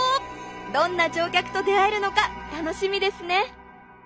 どんな乗客と出会えるのか楽しみですね！